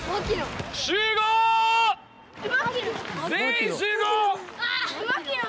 全員集合！